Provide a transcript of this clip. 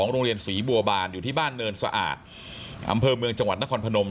โรงเรียนศรีบัวบานอยู่ที่บ้านเนินสะอาดอำเภอเมืองจังหวัดนครพนม